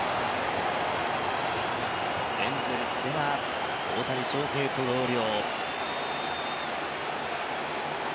エンゼルスでは大谷翔平と同僚。